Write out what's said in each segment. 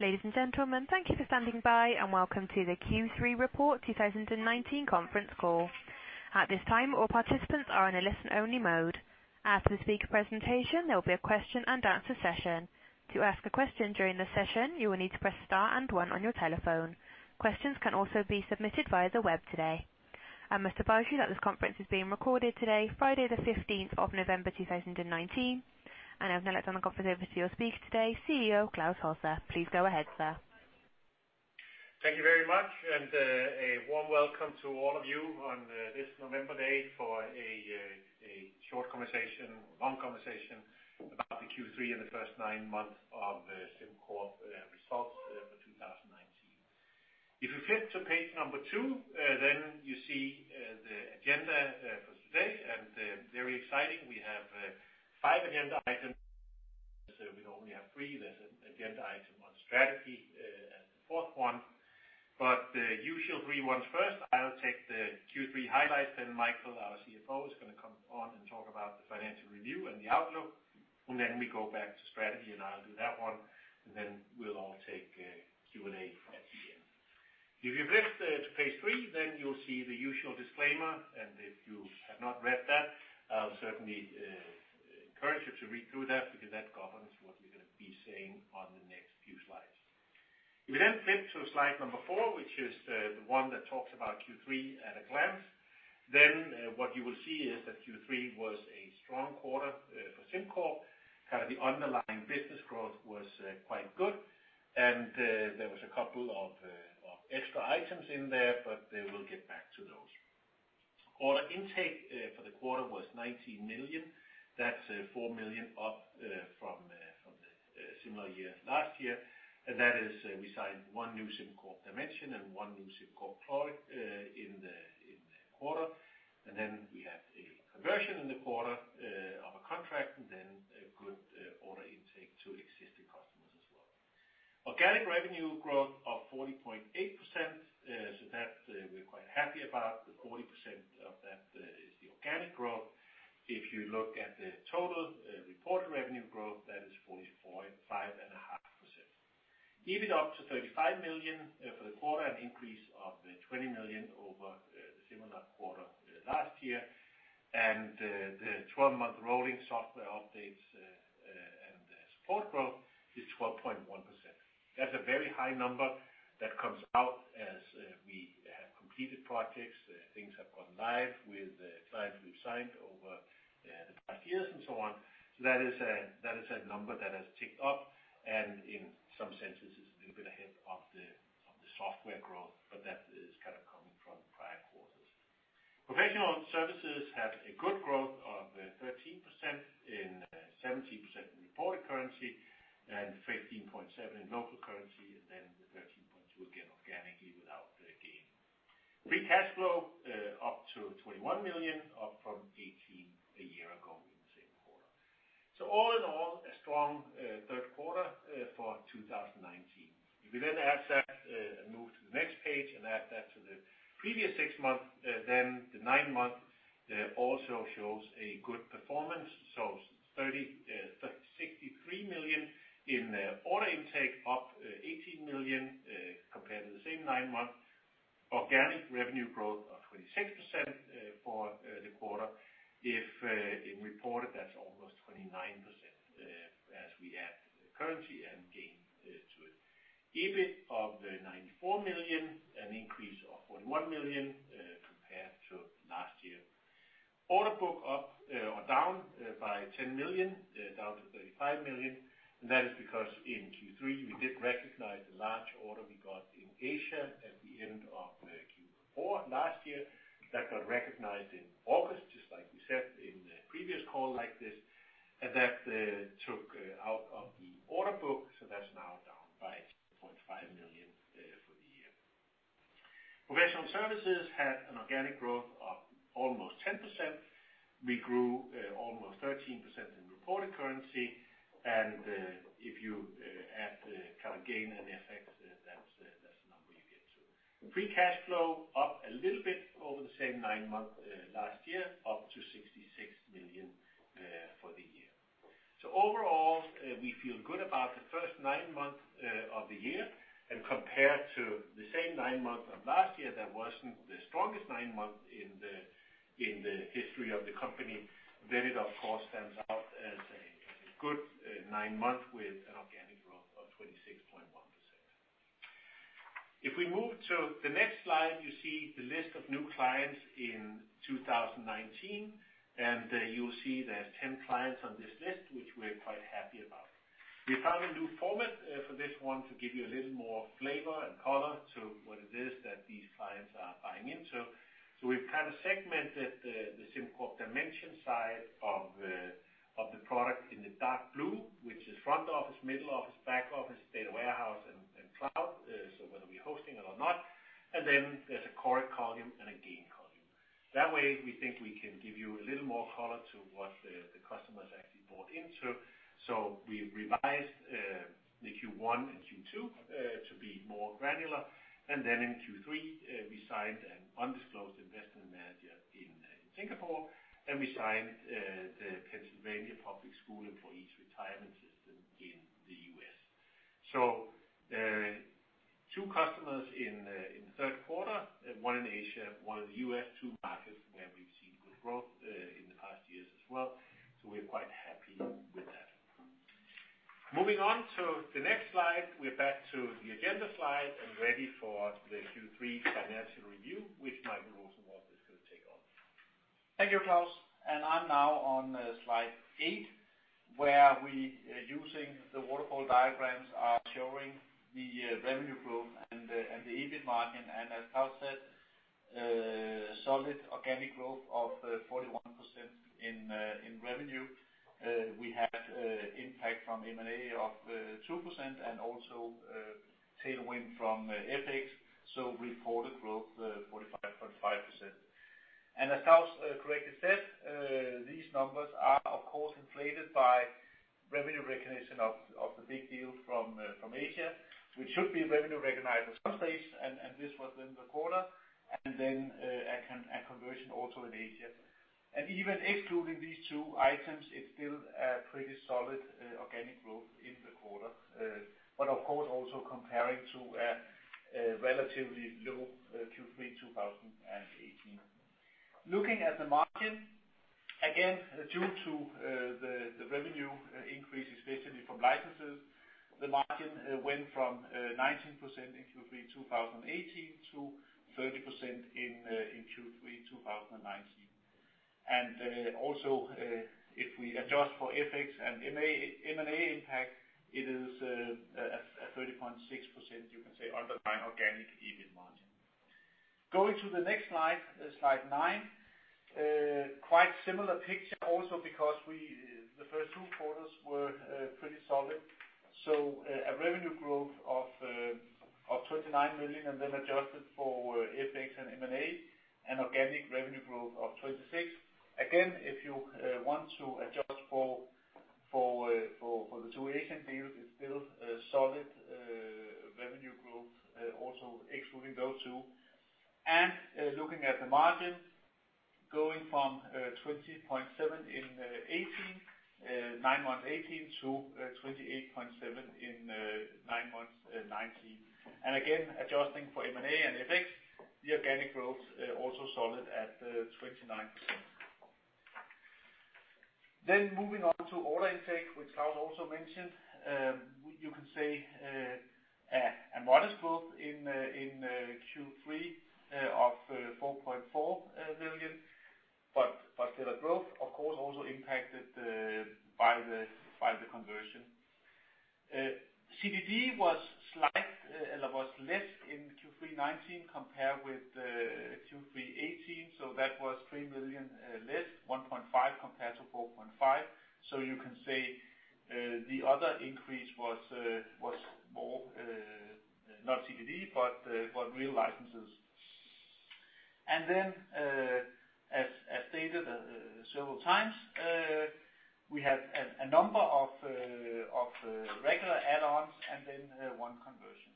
Ladies and gentlemen, thank you for standing by, and welcome to the Q3 Report 2019 conference call. At this time, all participants are in a listen-only mode. After the speaker presentation, there will be a question-and-answer session. To ask a question during the session, you will need to press star and one on your telephone. Questions can also be submitted via the web today. I must advise you that this conference is being recorded today, Friday the 15th of November 2019. I would now like to hand it over to your speaker today, CEO Klaus Holse. Please go ahead, sir. Thank you very much. A warm welcome to all of you on this November day for a short conversation, or long conversation, about the Q3 and the first nine months of SimCorp results for 2019. If you flip to page number two, you see the agenda for today, very exciting. We have five agenda items. We normally have three. There's an agenda item on strategy as the fourth one. The usual three ones first, I'll take the Q3 highlights. Michael, our CFO, is going to come on and talk about the financial review and the outlook. We go back to strategy. I'll do that one. We'll all take a Q&A at the end. If you flip to page three, then you'll see the usual disclaimer, and if you have not read that, I'll certainly encourage you to read through that because that governs what we're going to be saying on the next few slides. If you then flip to slide number four, which is the one that talks about Q3 at a glance, then what you will see is that Q3 was a strong quarter for SimCorp. The underlying business growth was quite good. There was a couple of extra items in there, but we'll get back to those. Order intake for the quarter was 19 million. That's 4 million up from the similar year last year. That is, we signed one new SimCorp Dimension and one new SimCorp product in the quarter. We had a conversion in the quarter of a contract, and then a good order intake to existing customers as well. Organic revenue growth of 40.8%, so that we're quite happy about. The 40% of that is the organic growth. If you look at the total reported revenue growth, that is 45.5%. EBIT up to 35 million for the quarter, an increase of 20 million over the similar quarter last year. The 12-month rolling software updates and support growth is 12.1%. That's a very high number that comes out as we have completed projects, things have gone live with clients we've signed over the past years and so on. That is a number that has ticked up and in some senses is a little bit ahead of the software growth, but that is coming from prior quarters. Professional services had a good growth of 13% in 17% in reported currency and 15.7% in local currency, the 13.2% again organically without the SimCorp Gain. Free cash flow up to 21 million, up from 18 million a year ago in the same quarter. All in all, a strong third quarter for 2019. If we add that and move to the next page and add that to the previous six months, the nine months also shows a good performance. 63 million in order intake, up 18 million compared to the same nine months. Organic revenue growth of 26% for the quarter. If reported, that's almost 29% as we add the currency and SimCorp Gain to it. EBIT of 94 million, an increase of 41 million compared to last year. Order book up or down by 10 million, down to 35 million. That is because in Q3, we did recognize the large order we got in Asia at the end of Q4 last year. That got recognized in August, just like we said in the previous call like this. That took out of the order book, so that's now down by 2.5 million for the year. Professional services had an organic growth of almost 10%. We grew almost 13% in reported currency. If you add the current gain and FX, that's the number you get to. Free cash flow up a little bit over the same nine months last year, up to 66 million for the year. Overall, we feel good about the first nine months of the year. Compared to the same nine months of last year, that wasn't the strongest nine months in the history of the company. It of course, stands out as a good nine month with an organic growth of 26.1%. If we move to the next slide, you see the list of new clients in 2019, and you'll see there's 10 clients on this list, which we're quite happy about. We found a new format for this one to give you a little more flavor and color to what it is that these clients are buying into. We've kind of segmented the SimCorp Dimension side of the product in the dark blue, which is front office, middle office, back office, data warehouse, and cloud, whether we're hosting it or not. Then there's a core column and a Gain column. That way we think we can give you a little more color to what the customers actually bought into. We revised the Q1 and Q2 to be more granular. Then in Q3, we signed an undisclosed investment manager in Singapore, and we signed the Pennsylvania Public School Employees' Retirement System in the U.S. Two customers in the third quarter, one in Asia, one in the U.S., two markets where we've seen good growth in the past years as well. We're quite happy with that. Moving on to the next slide, we're back to the agenda slide and ready for the Q3 financial review, which Michael Rosenvold is going to take on. Thank you, Claus. I'm now on slide eight, where we, using the waterfall diagrams, are showing the revenue growth and the EBIT margin. As Klaus said, solid organic growth of 41% in revenue. We had impact from M&A of 2% and also a tailwind from FX, so reported growth 45.5%. As Klaus correctly said, these numbers are, of course, inflated by revenue recognition of the big deal from Asia, which should be revenue recognized at some stage, and this was in the quarter, and then a conversion also in Asia. Even excluding these two items, it's still a pretty solid organic growth in the quarter. Of course, also comparing to a relatively low Q3 2018. Looking at the margin, again, due to the revenue increases, basically from licenses, the margin went from 19% in Q3 2018 to 30% in Q3 2019. Also, if we adjust for FX and M&A impact, it is a 30.6%, you can say, underlying organic EBIT margin. Going to the next slide nine, quite similar picture also because the first two quarters were pretty solid. A revenue growth of 29 million, and then adjusted for FX and M&A, an organic revenue growth of 26%. Again, if you want to adjust for the two Asian deals, it's still a solid revenue growth also excluding those two. Looking at the margin, going from 20.7% in 2018, nine months 2018 to 28.7% in nine months 2019. Again, adjusting for M&A and FX, the organic growth also solid at 29%. Moving on to order intake, which Klaus also mentioned. You can say a modest growth in Q3 of 4.4 million, but still a growth, of course, also impacted by the conversion. CDD was less in Q3 2019 compared with Q3 2018, that was 3 million less, 1.5 million compared to 4.5 million. You can say the other increase was more, not CDD, but real licenses. As stated several times, we have a number of regular add-ons and then one conversion.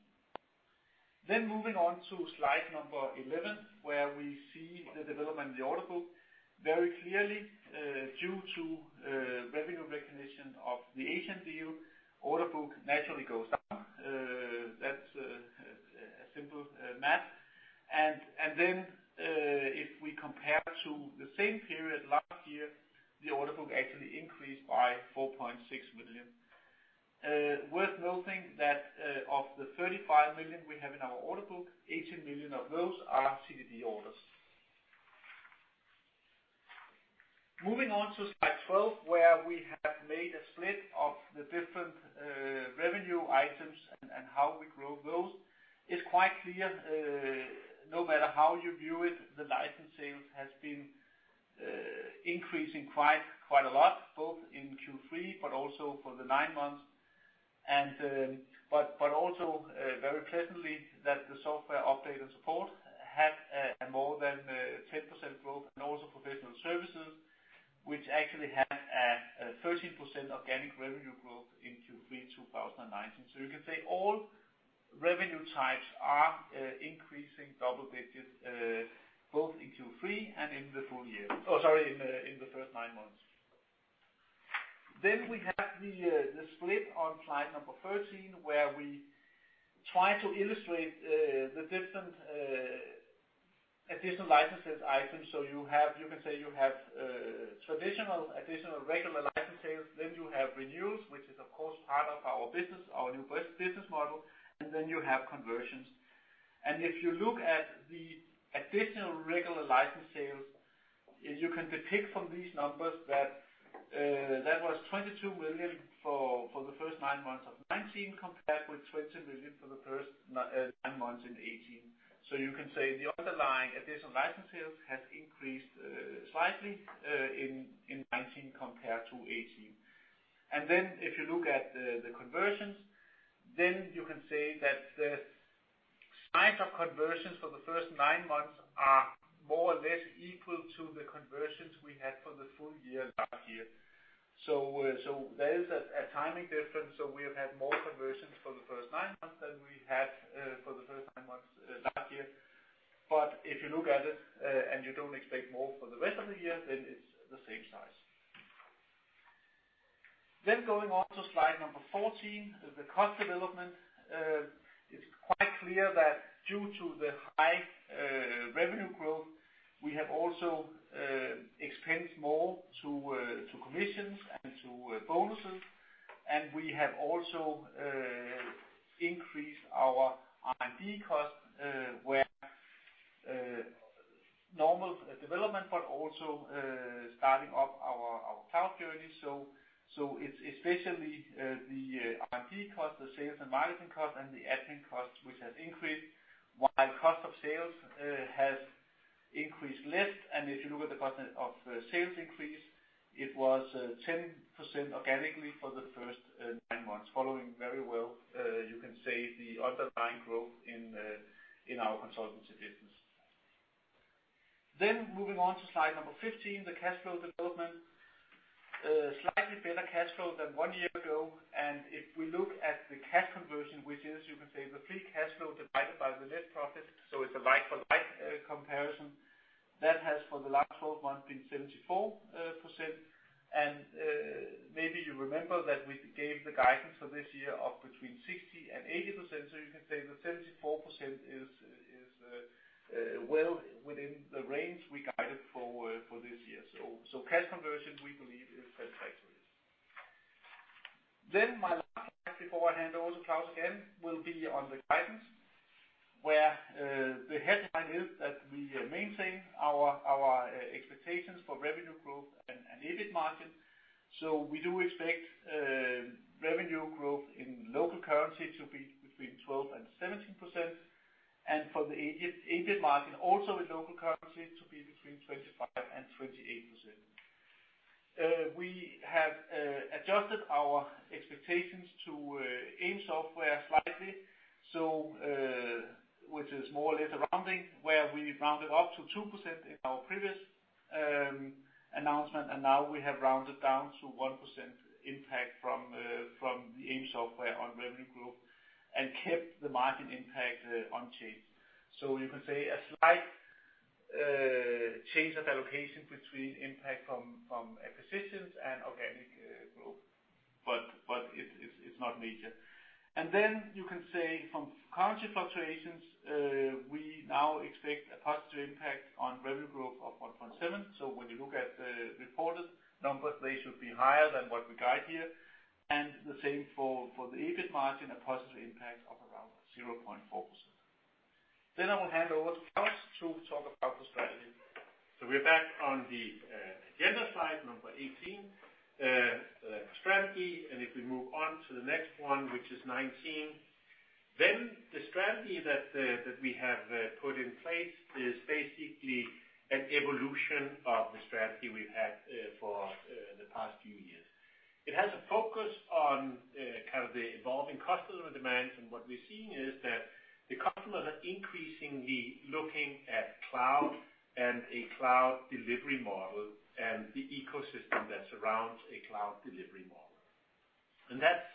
Moving on to slide number 11, where we see the development of the order book. Very clearly, due to revenue recognition of the Asian deal, order book naturally goes down. That's simple math. If we compare to the same period last year, the order book actually increased by DKK 4.6 million. Worth noting that of the DKK 35 million we have in our order book, DKK 18 million of those are CDD orders. Moving on to slide 12, where we have made a split of the different revenue items and how we grow those. It's quite clear, no matter how you view it, the license sales has been increasing quite a lot, both in Q3, also for the nine months. Also very pleasantly, that the software update and support had a more than 10% growth, and also professional services, which actually had a 13% organic revenue growth in Q3 2019. You can say all revenue types are increasing double digits, both in Q3 and in the full-year. Oh, sorry, in the first nine months. We have the split on slide number 13, where we try to illustrate the different additional licenses items. You can say you have traditional additional regular license sales, you have renewals, which is of course part of our business, our new business model, you have conversions. If you look at the additional regular license sales, you can depict from these numbers that that was 22 million for the first nine months of 2019 compared with 20 million for the first nine months in 2018. You can say the underlying additional license sales has increased slightly in 2019 compared to 2018. If you look at the conversions, you can say conversions for the first nine months are more or less equal to the conversions we had for the full-year last year. There is a timing difference. We have had more conversions for the first nine months than we had for the first nine months last year. If you look at it and you don't expect more for the rest of the year, then it's the same size. Going on to slide number 14, the cost development. It's quite clear that due to the high revenue growth, we have also expensed more to commissions and to bonuses, and we have also increased our R&D costs where normal development, but also starting up our cloud journey. It's especially the R&D cost, the sales and marketing cost, and the admin costs, which have increased while cost of sales has increased less. If you look at the cost of sales increase, it was 10% organically for the first nine months, following very well, you can say the underlying growth in our consultancy business. Moving on to slide number 15, the cash flow development. Slightly better cash flow than one year ago. If we look at the cash conversion, which is, you can say, the free cash flow divided by the net profit, so it's a like-for-like comparison. That has, for the last 12 months, been 74%. Maybe you remember that we gave the guidance for this year of between 60%-80%, so you can say that 74% is well within the range we guided for this year. Cash conversion, we believe, is satisfactory. My last slide beforehand, over to Klaus again, will be on the guidance, where the headline is that we maintain our expectations for revenue growth and EBIT margin. We do expect revenue growth in local currency to be between 12%-17%. For the EBIT margin, also in local currency, to be between 25%-28%. We have adjusted our expectations to AIM Software slightly, which is more or less a rounding, where we rounded up to 2% in our previous announcement, and now we have rounded down to 1% impact from the AIM Software on revenue growth and kept the margin impact unchanged. You can say a slight change of allocation between impact from acquisitions and organic growth, but it's not major. You can say from currency fluctuations, we now expect a positive impact on revenue growth of 1.7%. When you look at the reported numbers, they should be higher than what we guide here. The same for the EBIT margin, a positive impact of around 0.4%. I will hand over to Klaus to talk about the strategy. We're back on the agenda slide number 18, the strategy, and if we move on to the next one, which is 19. The strategy that we have put in place is basically an evolution of the strategy we've had for the past few years. It has a focus on the evolving customer demands. What we're seeing is that the customers are increasingly looking at cloud and a cloud delivery model and the ecosystem that surrounds a cloud delivery model. That's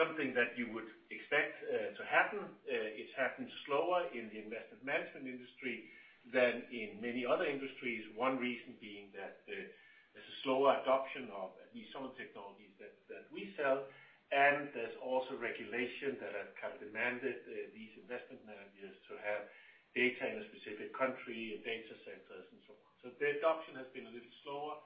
something that you would expect to happen. It's happened slower in the investment management industry than in many other industries. One reason being that there's a slower adoption of at least some of the technologies that we sell, and there's also regulation that have demanded these investment managers to have data in a specific country and data centers and so on. The adoption has been a little slower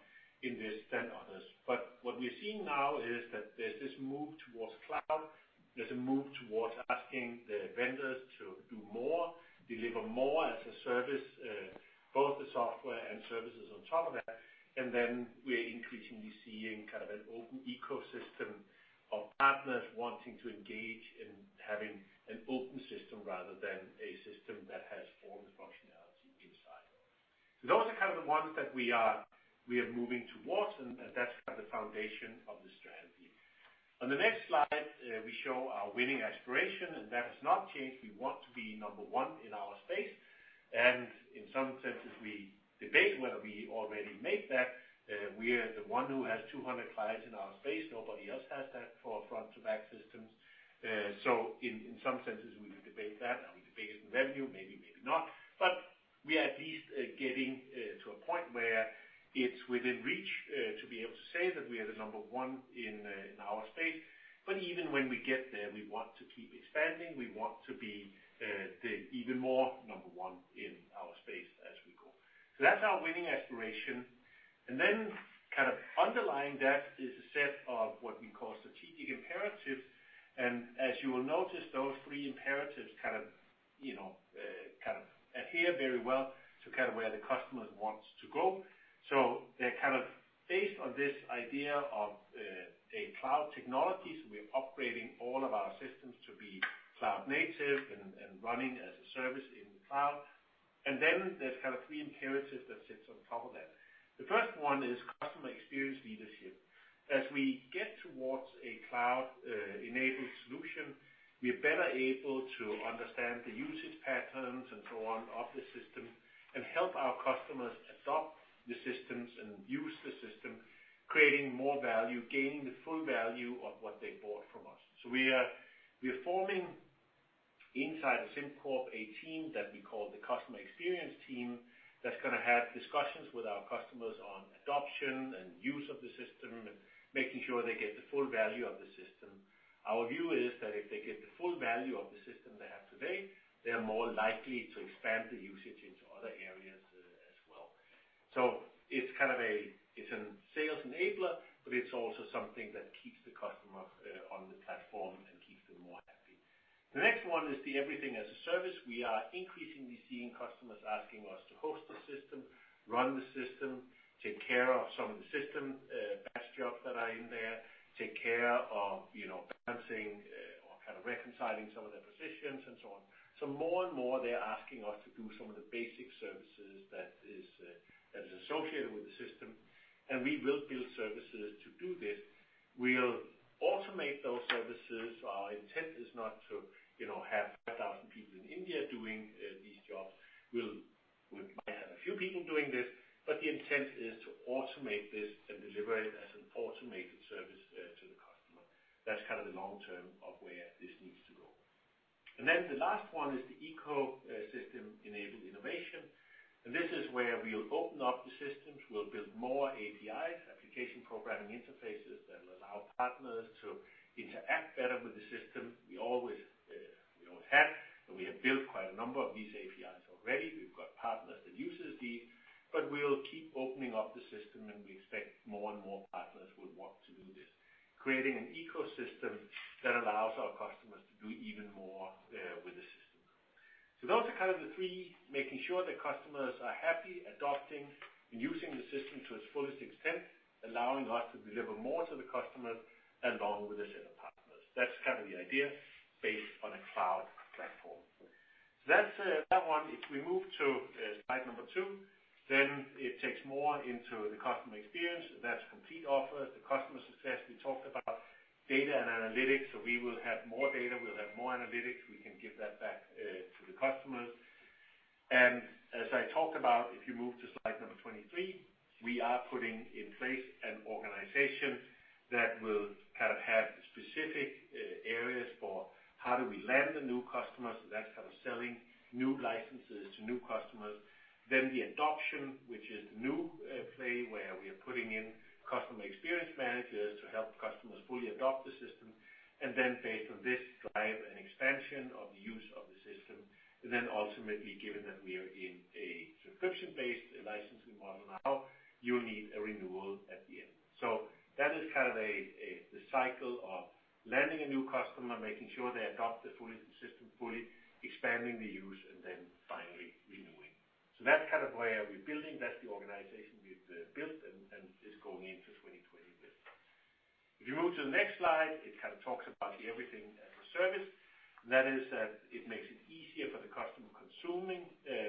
in this than others. What we're seeing now is that there's this move towards cloud. There's a move towards asking the vendors to do more, deliver more as a service, both the software and services on top of that. We're increasingly seeing an open ecosystem of partners wanting to engage in having an open system rather than a system that has all the functionality inside. Those are the ones that we are moving towards, and that's the foundation of the strategy. On the next slide, we show our winning aspiration, and that has not changed. We want to be number one in our space, and in some senses, we debate whether we already made that. We are the one who has 200 clients in our space. Nobody else has that for front-to-back systems. In some senses, we debate that. Are we the biggest in revenue? Maybe, maybe not. We are at least getting to a point where it's within reach to be able to say that we are the number one in our space. Even when we get there, we want to keep expanding. We want to be the even more number one in our space as we go. That's our winning aspiration. Then underlying that is a set of what we call strategic imperatives. As you will notice, those three imperatives adhere very well to where the customers want to go. They're based on this idea of cloud technologies. We're upgrading all of our systems to be cloud native and running as a service in the cloud. There's kind of three imperatives that sits on top of that. The first one is customer experience leadership. As we get towards a cloud-enabled solution, we are better able to understand the usage patterns and so on of the system and help our customers adopt the systems and use the system, creating more value, gaining the full value of what they bought from us. We are forming inside of SimCorp a team that we call the customer experience team that's going to have discussions with our customers on adoption and use of the system, making sure they get the full value of the system. Our view is that if they get the full value of the system they have today, they're more likely to expand the usage into other areas as well. It's a sales enabler, but it's also something that keeps the customer on the platform and keeps them more happy. The next one is the everything as a service. We are increasingly seeing customers asking us to host the system, run the system, take care of some of the system batch jobs that are in there, take care of balancing or kind of reconciling some of their positions and so on. More and more, they're asking us to do some of the basic services that is associated with the system, and we will build services to do this. We'll automate those services. Our intent is not to have 5,000 people in India doing these jobs. We might have a few people doing this, but the intent is to automate this and deliver it as an automated service to the customer. That's kind of the long-term of where this needs to go. The last one is the ecosystem-enabled innovation, and this is where we'll open up the systems. We'll build more APIs, application programming interfaces, that allow partners to interact better with the system. We have built quite a number of these APIs already. We've got partners that uses these, but we'll keep opening up the system, and we expect more and more partners would want to do this, creating an ecosystem that allows our customers to do even more with the system. Those are kind of the three, making sure that customers are happy adopting and using the system to its fullest extent, allowing us to deliver more to the customer along with a set of partners. That's kind of the idea based on a cloud platform. If we move to slide two, it takes more into the customer experience. That's complete offers. The customer success we talked about. Data and analytics. We will have more data, we'll have more analytics. We can give that back to the customers. As I talked about, if you move to slide 23, we are putting in place an organization that will kind of have specific areas for how do we land the new customers. That's kind of selling new licenses to new customers. The adoption, which is the new play, where we are putting in customer experience managers to help customers fully adopt the system, and then based on this drive an expansion of the use of the system. Ultimately, given that we are in a subscription-based licensing model now, you'll need a renewal at the end. That is kind of the cycle of landing a new customer, making sure they adopt the system fully, expanding the use, and then finally renewing. That's kind of where we're building. That's the organization we've built, and it's going into 2020 with. If you move to the next slide, it kind of talks about the everything as a service. That is that it makes it easier for the customer consuming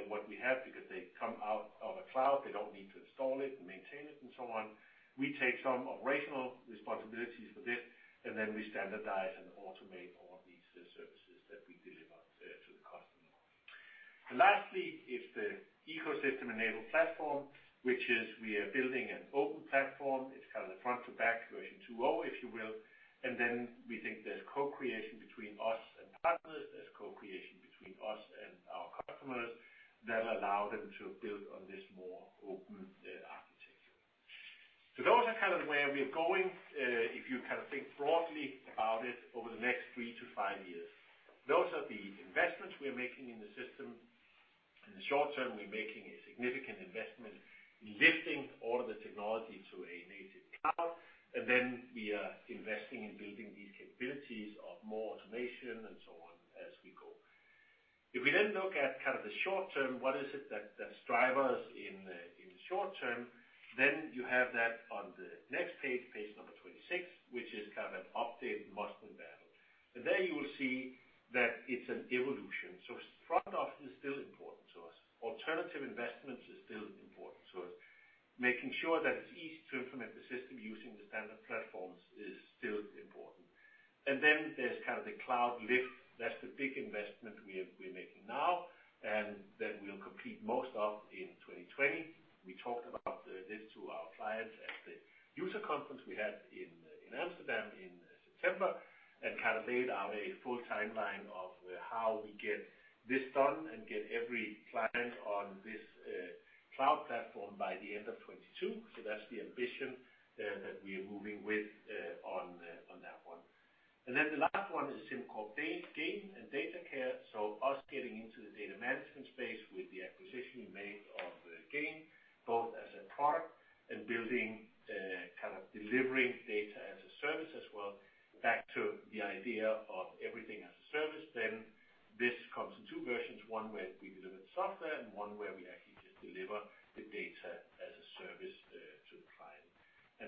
what we have because they come out of a cloud. They don't need to install it and maintain it and so on. We take some operational responsibilities for this, and then we standardize and automate all these services that we deliver to the customer. Lastly is the ecosystem-enabled platform, which is we are building an open platform. It's kind of the front-to-back version 2.0, if you will. We think there's co-creation between us and partners. There's co-creation between us and our customers that allow them to build on this more open architecture. Those are kind of where we're going, if you kind of think broadly about it over the next three to five years. Those are the investments we are making in the system. In the short term, we're making a significant investment in lifting all of the technology to a native cloud. We are investing in building these capabilities of more automation and so on as we go. If we then look at kind of the short term, what is it that's drivers in the short term, then you have that on the next page number 26, which is kind of an updated Must-Win Battle. There you will see that it's an evolution. Front office is still important to us. Alternative investments is still important to us. Making sure that it's easy to implement the system using the standard platforms is still important. Then there's kind of the cloud lift. That's the big investment we are making now, and that we'll complete most of in 2020. We talked about this to our clients at the user conference we had in Amsterdam in September and kind of laid out a full timeline of how we get this done and get every client on this cloud platform by the end of 2022. That's the ambition that we are moving with on that one. Then the last one is SimCorp Gain and Datacare. Us getting into the data management space with the acquisition we made of Gain, both as a product and building, kind of delivering data as a service as well. Back to the idea of everything as a service, this comes in two versions, one where we deliver the software and one where we actually just deliver the data as a service to the client.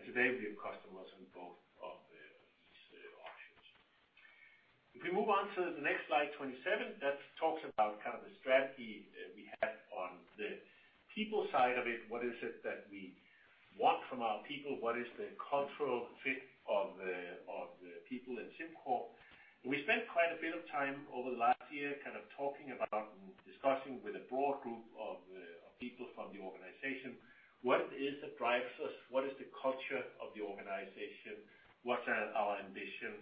Today we have customers on both of these options. If we move on to the next slide, 27, that talks about the strategy we have on the people side of it. What is it that we want from our people? What is the cultural fit of the people at SimCorp? We spent quite a bit of time over the last year talking about and discussing with a broad group of people from the organization what it is that drives us, what is the culture of the organization, what's our ambition.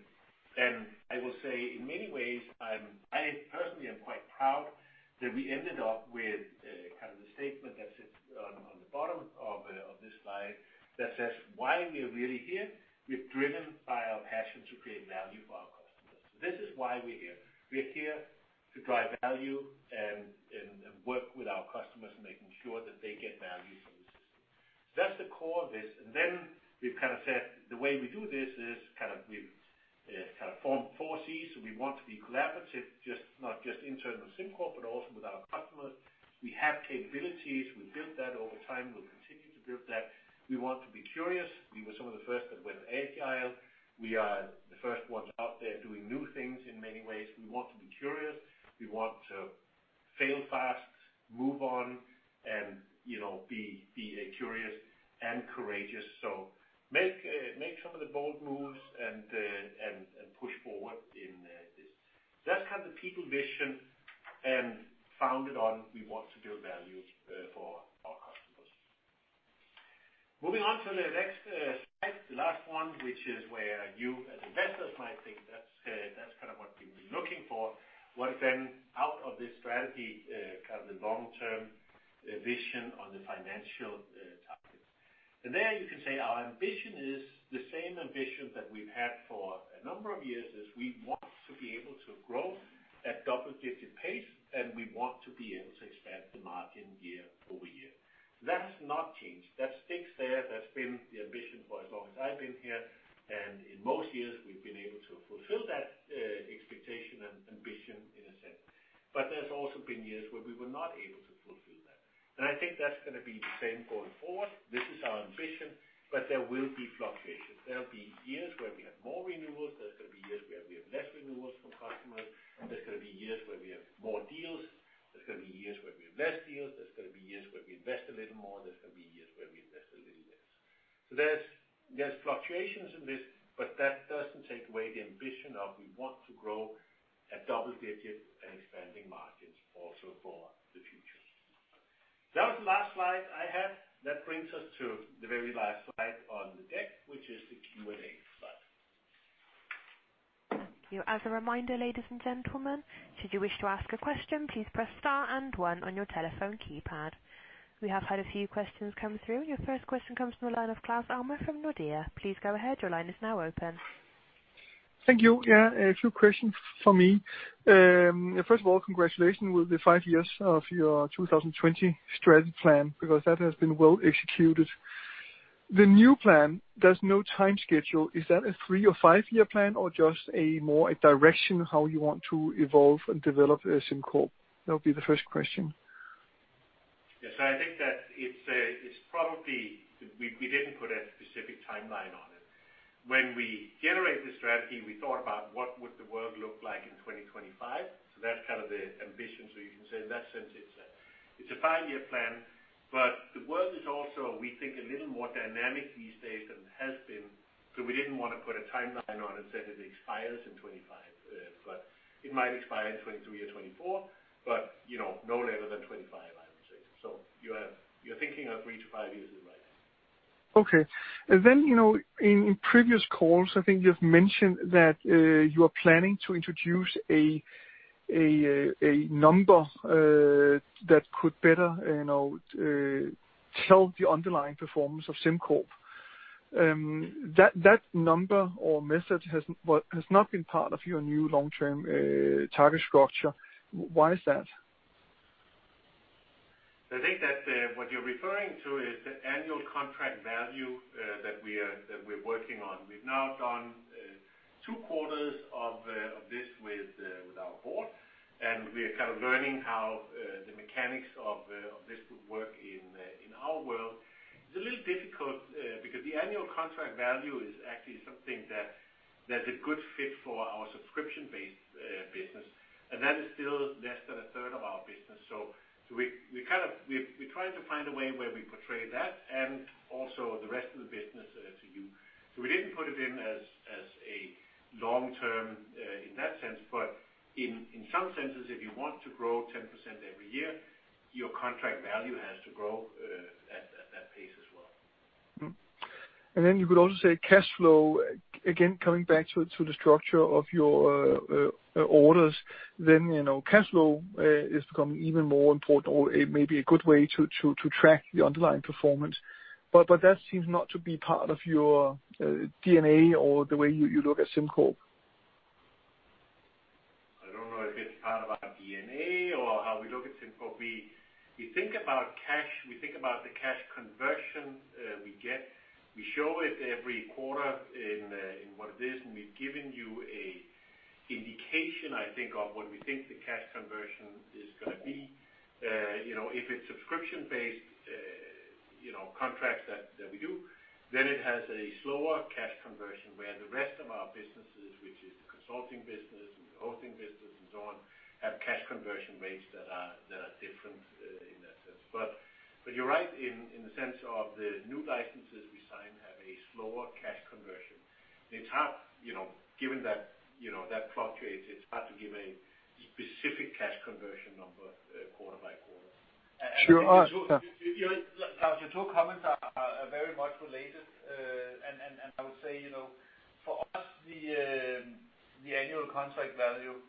I will say, in many ways, I personally am quite proud that we ended up with the statement that sits on the bottom of this slide that says why we are really here. We are driven by our passion to create value for our customers. This is why we're here. We are here to drive value and work with our customers, making sure that they get value from the system. That's the core of this. Then we've said, the way we do this is, we've formed four Cs. We want to be collaborative, not just internal SimCorp, but also with our customers. We have capabilities. We built that over time. We'll continue to build that. We want to be curious. We were some of the first that went agile. We are the first ones out there doing new things in many ways. We want to be curious. We want to fail fast, move on, and be curious and courageous. Make some of the bold moves and push forward in this. That's the people vision, and founded on we want to build value for our customers. Moving on to the next slide, the last one, which is where you as investors might think that's what you'll be looking for. What then out of this strategy, the long-term vision on the financial targets. There you can say our ambition is the same ambition that we've had for a number of years, is we want to be able to grow at double-digit pace, and we want to be able to expand the margin year-over-year. That's not changed. That sticks there. That's been the ambition for as long as I've been here, and in most years, we've been able to fulfill that expectation and ambition in a sense. There's also been years where we were not able to fulfill that. I think that's going to be the same going forward. This is our ambition, but there will be fluctuations. There'll be years where we have more renewals. There's going to be years where we have less renewals from customers. There's going to be years where we have more deals. There's going to be years where we have less deals. There's going to be years where we invest a little more. There's going to be years where we invest a little less. There's fluctuations in this, but that doesn't take away the ambition of we want to grow at double digits and expanding margins also for the future. That was the last slide I had. That brings us to the very last slide on the deck, which is the Q&A slide. Thank you. As a reminder, ladies and gentlemen, should you wish to ask a question, please press star and one on your telephone keypad. We have had a few questions come through. Your first question comes from the line of Claus Almer from Nordea. Please go ahead. Your line is now open. Thank you. Yeah. A few questions from me. First of all, congratulations with the five years of your 2020 strategy plan, because that has been well executed. The new plan, there's no time schedule. Is that a three or five-year plan or just more a direction of how you want to evolve and develop SimCorp? That would be the first question. I think that it's probably we didn't put a specific timeline on it. When we generated the strategy, we thought about what would the world look like in 2025. That's the ambition. You can say in that sense, it's a five-year plan, the world is also, we think, a little more dynamic these days than it has been. We didn't want to put a timeline on it, said it expires in 2025. It might expire in 2023 or 2024, but no later than 2025, I would say. You're thinking of three to five years is right. Okay. In previous calls, I think you've mentioned that you are planning to introduce a number that could better tell the underlying performance of SimCorp. That number or message has not been part of your new long-term target structure. Why is that? I think that what you're referring to is the annual contract value that we're working on. We've now done two quarters of this with our board, and we are learning how the mechanics of this would work in our world. It's a little difficult because the annual contract value is actually something that's a good fit for our subscription-based business, and that is still less than a third of our business. We're trying to find a way where we portray that and also the rest of the business to you. We didn't put it in as a long term in that sense, but in some senses, if you want to grow 10% every year, your contract value has to grow at that pace as well. You could also say cash flow, again, coming back to the structure of your orders, then cash flow is becoming even more important or it may be a good way to track the underlying performance. That seems not to be part of your DNA or the way you look at SimCorp. I don't know if it's part of our DNA or how we look at SimCorp. We think about cash, we think about the cash conversion we get. We show it every quarter in what it is, and we've given you an indication, I think, of what we think the cash conversion is going to be. If it's subscription-based Contracts that we do, then it has a slower cash conversion where the rest of our businesses, which is the consulting business and the hosting business and so on, have cash conversion rates that are different in that sense. You're right, in the sense of the new licenses we sign have a slower cash conversion. Given that fluctuates, it's hard to give a specific cash conversion number quarter by quarter. Sure. Klaus, your two comments are very much related. I would say, for us, the annual contract value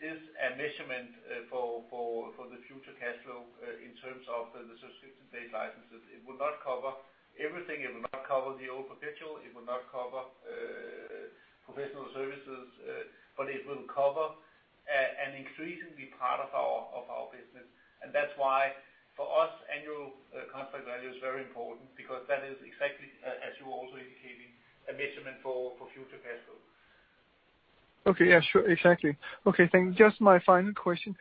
is a measurement for the future cash flow in terms of the subscription-based licenses. It will not cover everything. It will not cover the old perpetual, it will not cover professional services, but it will cover an increasingly part of our business. That's why, for us, annual contract value is very important because that is exactly as you're also indicating, a measurement for future cash flow. Okay. Yeah, sure. Exactly. Okay, thank you. Just my final question,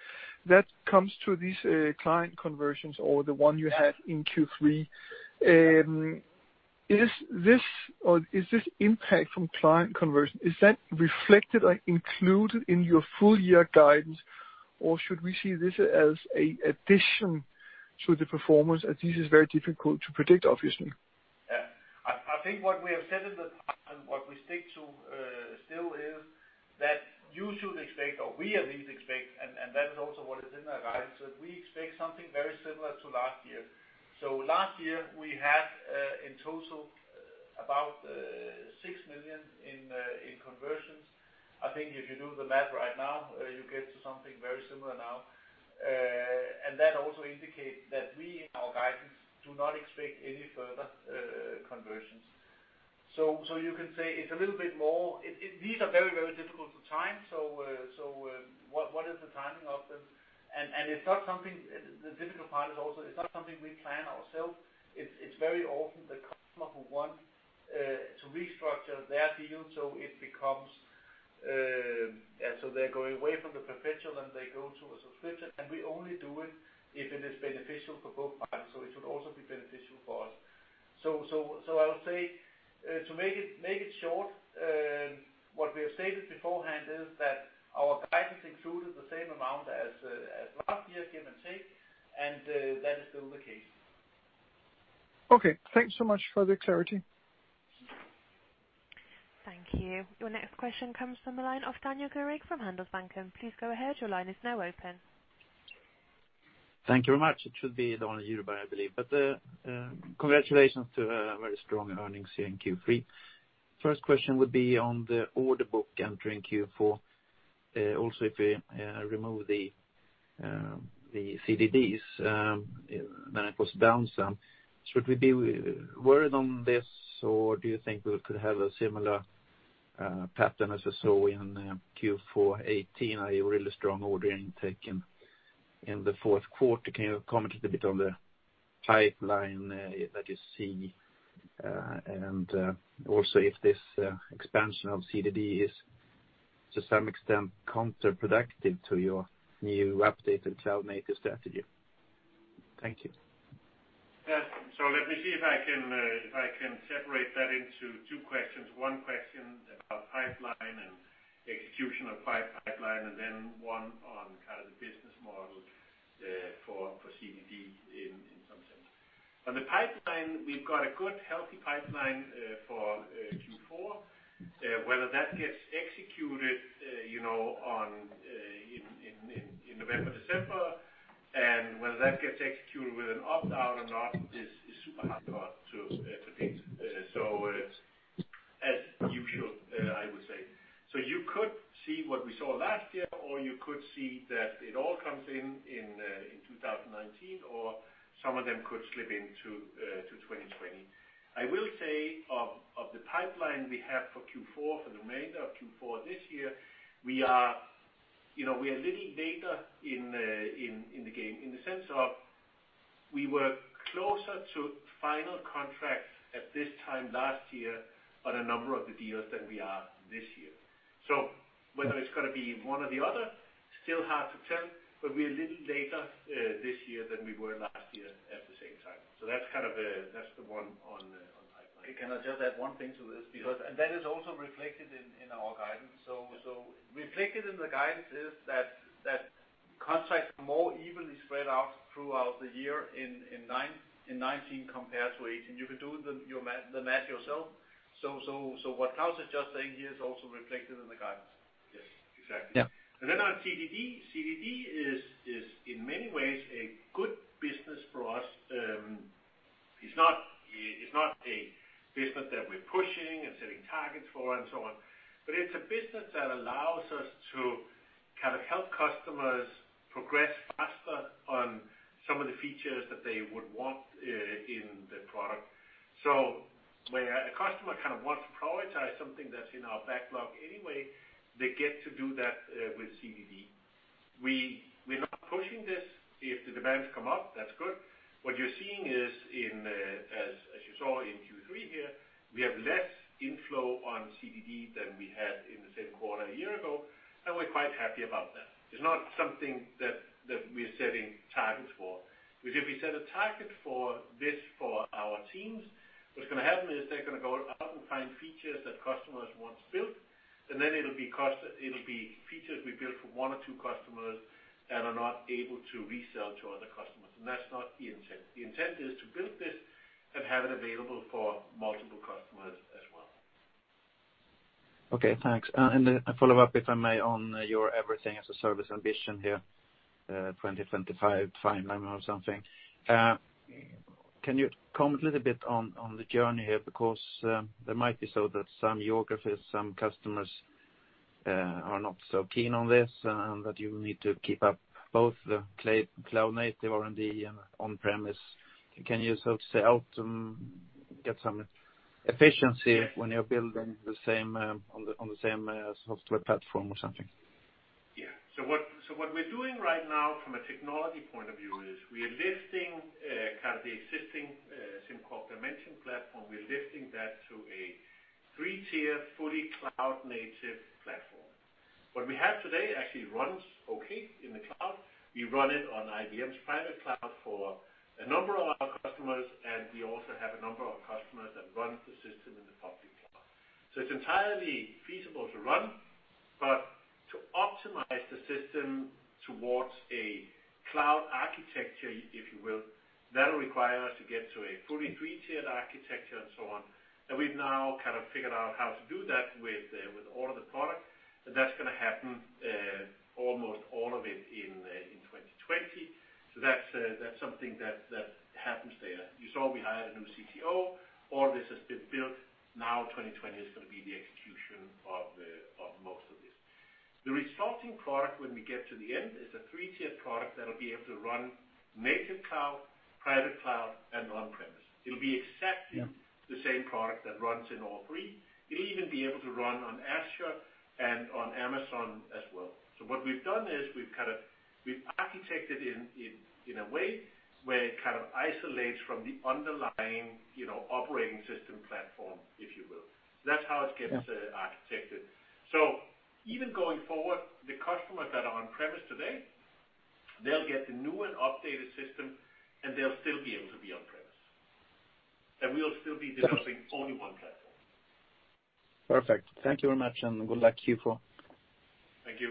that comes to these client conversions or the one you had in Q3. Is this impact from client conversion, is that reflected or included in your full-year guidance, or should we see this as addition to the performance, as this is very difficult to predict, obviously? Yeah. I think what we have said in the past and what we stick to still is that you should expect or we at least expect, and that is also what is in our guidance, that we expect something very similar to last year. Last year, we had, in total, about 6 million in conversions. I think if you do the math right now, you get to something very similar now. That also indicates that we, in our guidance, do not expect any further conversions. You can say it's a little bit more. These are very, very difficult to time. What is the timing of them? The difficult part is also, it's not something we plan ourselves. It's very often the customer who want to restructure their deal. They're going away from the perpetual and they go to a subscription. We only do it if it is beneficial for both parties. It should also be beneficial for us. I would say, to make it short, what we have stated beforehand is that our guidance included the same amount as last year, give and take. That is still the case. Okay. Thanks so much for the clarity. Thank you. Your next question comes from the line of Daniel Djurberg from Handelsbanken. Please go ahead. Your line is now open. Thank you very much. It should be the only Euro, I believe. Congratulations to a very strong earnings here in Q3. First question would be on the order book entering Q4. If we remove the CDDs, then it goes down some. Should we be worried on this, or do you think we could have a similar pattern as we saw in Q4 2018, a really strong order intake in the fourth quarter? Can you comment a little bit on the pipeline that you see? If this expansion of CDD is, to some extent, counterproductive to your new updated cloud native strategy. Thank you. Let me see if I can separate that into two questions. One question about pipeline and execution of pipeline, and then one on kind of the business model for CDD in some sense. On the pipeline, we've got a good, healthy pipeline for Q4. Whether that gets executed in November, December, and whether that gets executed with an opt out or not is super hard to predict. As usual, I would say. You could see what we saw last year, or you could see that it all comes in 2019 or some of them could slip into 2020. I will say, of the pipeline we have for Q4, for the remainder of Q4 this year, we are a little later in the game, in the sense of we were closer to final contracts at this time last year on a number of the deals than we are this year. Whether it's going to be one or the other, still hard to tell, but we're a little later this year than we were last year at the same time. That's the one on pipeline. Can I just add one thing to this? Yeah. That is also reflected in our guidance. Reflected in the guidance is that contracts are more evenly spread out throughout the year in 2019 compared to 2018. You can do the math yourself. What Klaus is just saying here is also reflected in the guidance. Yes. Exactly. Yeah. On CDD. CDD is in many ways a good business for us. It's not a business that we're pushing and setting targets for and so on, but it's a business that allows us to help customers progress faster on some of the features that they would want in the product. Where a customer wants to prioritize something that's in our backlog anyway, they get to do that with CDD. We're not pushing this. If the demands come up, that's good. As you saw in Q3 here, we have less inflow on CDD than we had in the same quarter a year ago, and we're quite happy about that. It's not something that we're setting targets for. If we set a target for this for our teams, what's going to happen is they're going to go out and find features that customers want built, and then it'll be features we built for one or two customers that are not able to resell to other customers, and that's not the intent. The intent is to build this and have it available for multiple customers as well. Okay, thanks. A follow-up, if I may, on your Everything as a Service ambition here, 2025 timeline or something. Can you comment a little bit on the journey here? There might be so that some geographies, some customers are not so keen on this, and that you need to keep up both the cloud-native R&D and on-premise. Can you hope to get some efficiency when you're building on the same software platform or something? Yeah. What we're doing right now from a technology point of view is we are lifting the existing SimCorp Dimension platform. We're lifting that to a three-tier, fully cloud-native platform. What we have today actually runs okay in the cloud. We run it on IBM's private cloud for a number of our customers. We also have a number of customers that run the system in the public cloud. It's entirely feasible to run, to optimize the system towards a cloud architecture, if you will, that'll require us to get to a fully three-tiered architecture and so on. We've now figured out how to do that with all of the product, and that's going to happen, almost all of it, in 2020. That's something that happens there. You saw we hired a new CTO. All this has been built. 2020 is going to be the execution of most of this. The resulting product when we get to the end is a three-tiered product that'll be able to run native cloud, private cloud, and on-premise. the same product that runs in all three. It'll even be able to run on Azure and on Amazon as well. What we've done is we've architected in a way where it kind of isolates from the underlying operating system platform, if you will. That's how it gets- architected. Even going forward, the customers that are on-premise today, they'll get the new and updated system, and they'll still be able to be on-premise. We'll still be developing only one platform. Perfect. Thank you very much, and good luck Q4. Thank you.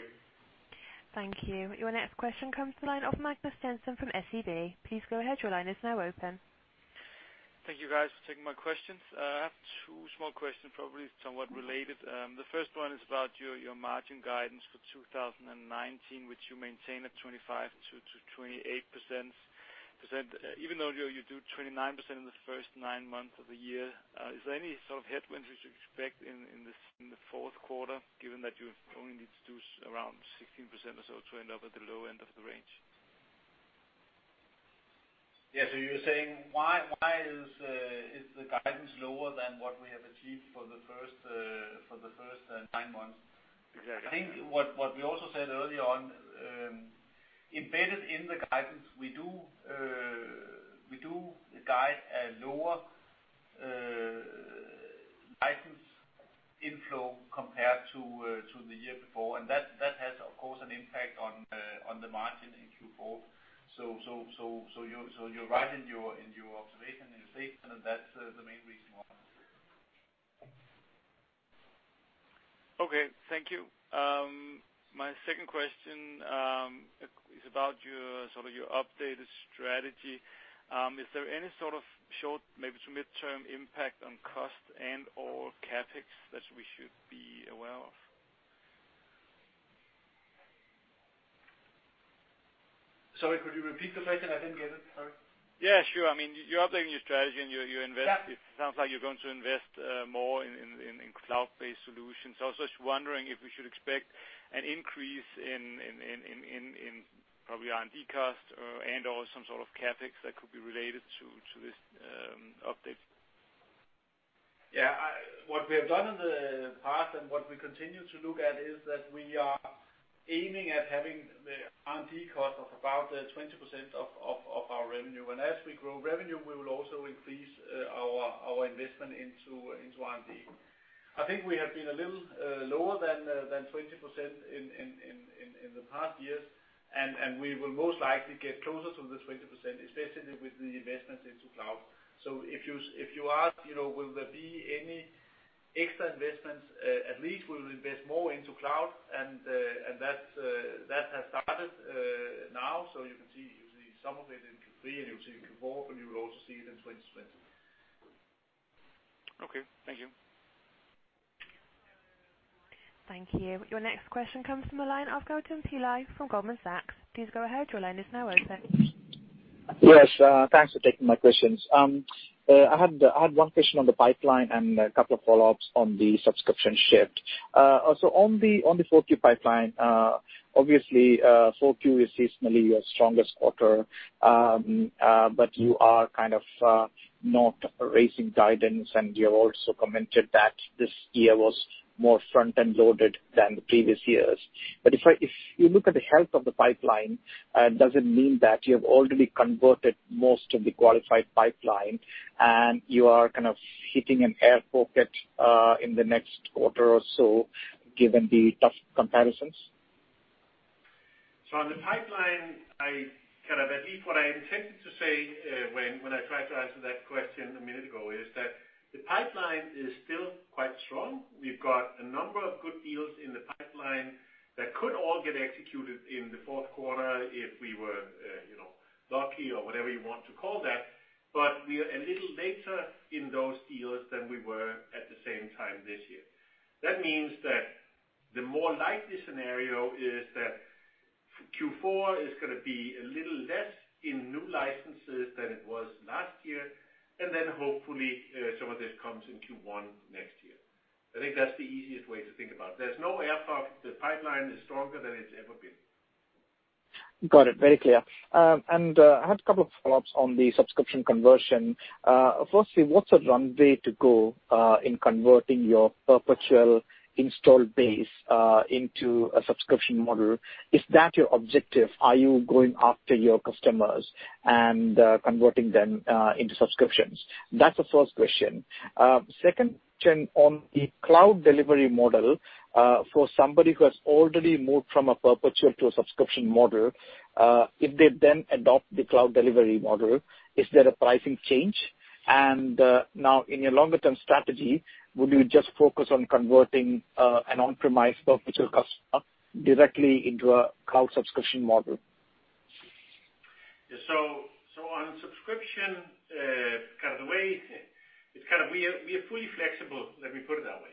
Thank you. Your next question comes to the line of Magnus Stenson from SEB. Please go ahead. Your line is now open. Thank you guys for taking my questions. I have two small questions, probably somewhat related. The first one is about your margin guidance for 2019, which you maintain at 25%-28%. Even though you do 29% in the first nine months of the year, is there any sort of headwinds you expect in the fourth quarter, given that you only need to do around 16% or so to end up at the low end of the range? Yeah. You're saying, why is the guidance lower than what we have achieved for the first nine months? Exactly. I think what we also said earlier on, embedded in the guidance, we do guide a lower license inflow compared to the year before, and that has, of course, an impact on the margin in Q4. You're right in your observation and your statement, and that's the main reason why. Okay. Thank you. My second question is about your updated strategy. Is there any sort of short, maybe to midterm impact on cost and/or CapEx that we should be aware of? Sorry, could you repeat the question? I didn't get it. Sorry. Yeah, sure. You're updating your strategy and you. Yeah It sounds like you're going to invest more in cloud-based solutions. I was just wondering if we should expect an increase in probably R&D cost and/or some sort of CapEx that could be related to this update? What we have done in the past and what we continue to look at is that we are aiming at having the R&D cost of about 20% of our revenue. As we grow revenue, we will also increase our investment into R&D. I think we have been a little lower than 20% in the past years, and we will most likely get closer to the 20%, especially with the investments into cloud. If you ask will there be any extra investments? At least we'll invest more into cloud, and that has started now. You can see some of it in Q3, and you'll see it in Q4, and you will also see it in 2020. Okay. Thank you. Thank you. Your next question comes from the line of Gautam Pillai from Goldman Sachs. Please go ahead. Your line is now open. Yes. Thanks for taking my questions. I had one question on the pipeline and a couple of follow-ups on the subscription shift. On the 4Q pipeline, obviously 4Q is seasonally your strongest quarter. You are kind of not raising guidance, and you have also commented that this year was more front-end loaded than the previous years. If you look at the health of the pipeline, does it mean that you have already converted most of the qualified pipeline and you are kind of hitting an air pocket in the next quarter or so given the tough comparisons? On the pipeline, at least what I intended to say when I tried to answer that question a minute ago is that the pipeline is still quite strong. We've got a number of good deals in the pipeline that could all get executed in the fourth quarter if we were lucky or whatever you want to call that. We are a little later in those deals than we were at the same time this year. That means that the more likely scenario is that Q4 is going to be a little less in new licenses than it was last year, and then hopefully some of this comes in Q1 next year. I think that's the easiest way to think about it. There's no air pocket. The pipeline is stronger than it's ever been. Got it. Very clear. I had a couple of follow-ups on the subscription conversion. Firstly, what's the runway to go in converting your perpetual install base into a subscription model? Is that your objective? Are you going after your customers and converting them into subscriptions? That's the first question. Second question on the cloud delivery model. For somebody who has already moved from a perpetual to a subscription model, if they then adopt the cloud delivery model, is there a pricing change? Now in your longer-term strategy, would you just focus on converting an on-premise perpetual customer directly into a cloud subscription model? On subscription, we are fully flexible, let me put it that way.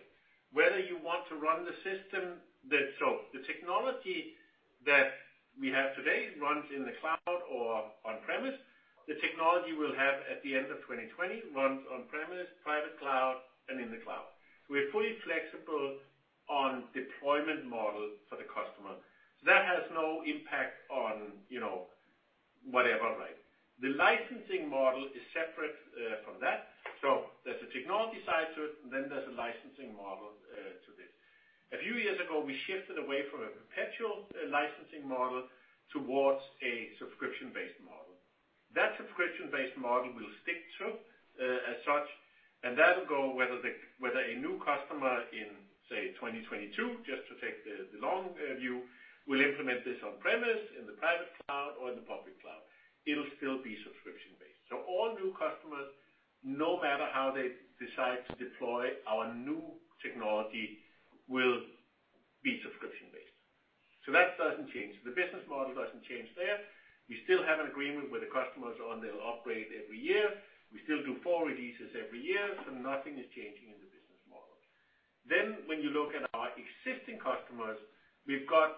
Whether you want to run the system. The technology that we have today runs in the cloud or on premise. The technology we'll have at the end of 2020 runs on premise, private cloud, and in the cloud. We're fully flexible on deployment model for the customer. That has no impact on whatever. The licensing model is separate from that. There's a technology side to it, and then there's a licensing model to this. A few years ago, we shifted away from a perpetual licensing model towards a subscription-based model. That subscription-based model we'll stick to as such, and that'll go whether a new customer in, say, 2022, just to take the long view, will implement this on premise, in the private cloud or in the public cloud. It'll still be subscription-based. All new customers, no matter how they decide to deploy our new technology, will be subscription-based. That doesn't change. The business model doesn't change there. We still have an agreement with the customers on they'll operate every year. We still do four releases every year. Nothing is changing in the business model. When you look at our existing customers,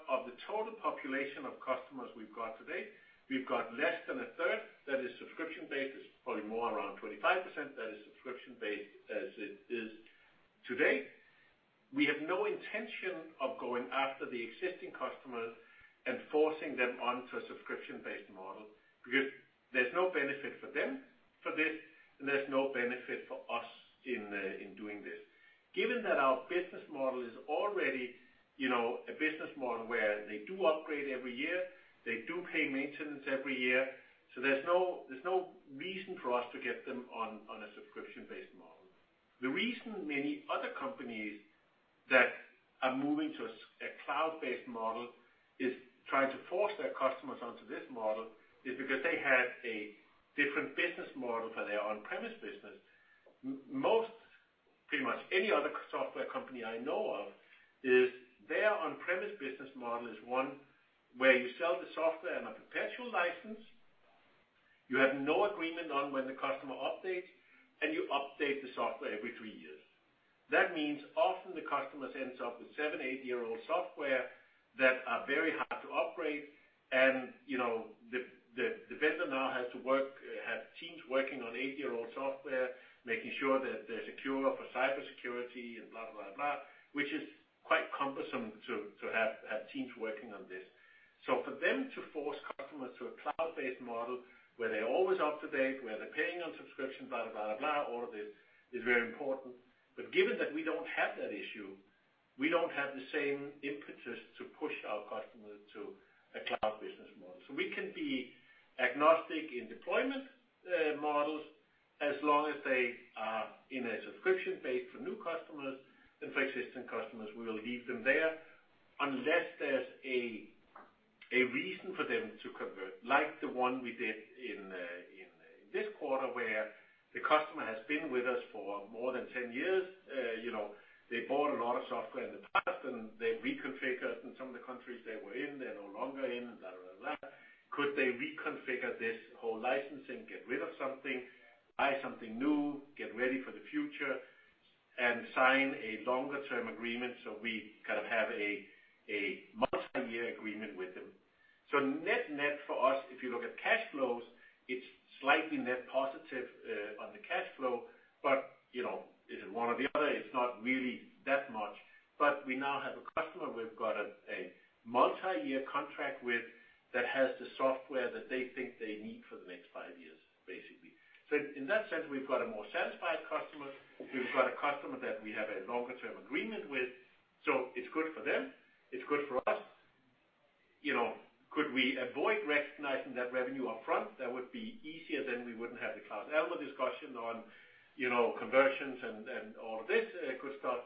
of the total population of customers we've got today, we've got less than a third that is subscription-based. It's probably more around 25% that is subscription-based as it is today. We have no intention of going after the existing customers and forcing them onto a subscription-based model because there's no benefit for them for this, and there's no benefit for us in doing this. Given that our business model is already a business model where they do upgrade every year, they do pay maintenance every year. There's no reason for us to get them on a subscription-based model. The reason many other companies that are moving to a cloud-based model is trying to force their customers onto this model is because they had a different business model for their on-premise business. Pretty much any other software company I know of is their on-premise business model is one where you sell the software on a perpetual license. You have no agreement on when the customer updates, and you update the software every three years. That means often the customer ends up with seven, eight-year-old software that are very hard to operate. The vendor now has teams working on eight-year-old software, making sure that they're secure for cybersecurity and blah, blah, which is quite cumbersome to have teams working on this. For them to force customers to a cloud-based model where they're always up to date, where they're paying on subscription, blah, blah, all of this is very important. Given that we don't have that issue, we don't have the same impetus to push our customers to a cloud business model. We can be agnostic in deployment models as long as they are in a subscription base for new customers and for existing customers, we will leave them there unless there's a reason for them to convert. Like the one we did in this quarter where the customer has been with us for more than 10 years. They bought a lot of software in the past, and they reconfigured in some of the countries they were in, they're no longer in, blah, blah. Could they reconfigure this whole licensing, get rid of something? Buy something new, get ready for the future, and sign a longer-term agreement. We kind of have a multi-year agreement with them. Net-net for us, if you look at cash flows, it's slightly net positive on the cash flow, but is it one or the other? It's not really that much. We now have a customer we've got a multi-year contract with that has the software that they think they need for the next five years, basically. In that sense, we've got a more satisfied customer. We've got a customer that we have a longer-term agreement with. It's good for them. It's good for us. Could we avoid recognizing that revenue upfront? That would be easier, then we wouldn't have the Claus Almer discussion on conversions and all of this, Christof.